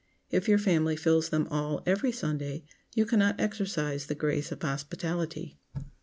If your family fills them all every Sunday, you can not exercise the grace of hospitality.